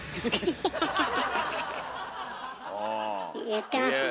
言ってますね。